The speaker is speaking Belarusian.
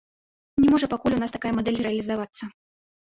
Не можа пакуль у нас такая мадэль рэалізавацца.